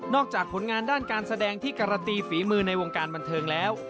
จากผลงานด้านการแสดงที่การันตีฝีมือในวงการบันเทิงแล้ว